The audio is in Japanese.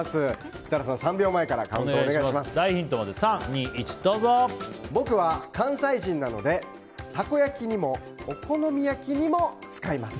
設楽さん、３秒前から大ヒントまで僕は関西人なのでたこ焼きにもお好み焼きにも使います。